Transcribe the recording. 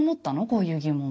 こういう疑問。